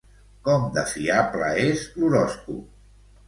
Com de fiable és l'horòscop?